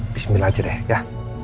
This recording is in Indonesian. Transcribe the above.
bismillah aja deh ya